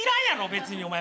別にお前。